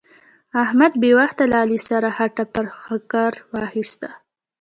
احمد بې وخته له علي سره خټه پر ښکر واخيسته.